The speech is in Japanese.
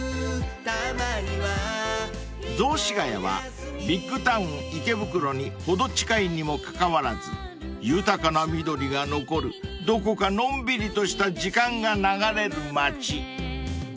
［雑司が谷はビッグタウン池袋に程近いにもかかわらず豊かな緑が残るどこかのんびりとした時間が流れる町］